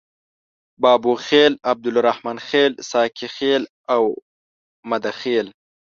بابوخیل، عبدالرحمن خیل، ساقي خیل او مده خیل.